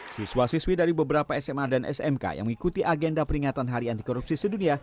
siswa siswi dari beberapa sma dan smk yang mengikuti agenda peringatan hari anti korupsi sedunia